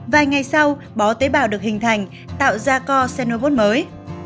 vài ngày sau bó tế bào được hình thành tạo ra co xenobot mới